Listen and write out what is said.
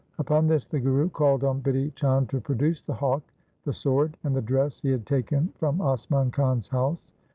Upon this the Guru called on Bidhi Chand to produce the hawk, the sword, and the dress he had taken from Asman Khan's house.